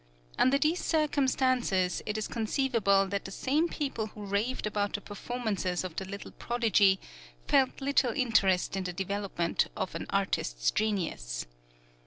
Under these circumstances, it is conceivable that the same people who raved about the performances of the little prodigy, felt little interest in the development of an artist's genius.